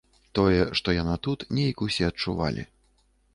Тое, што яна тут, нейк усе адчувалі.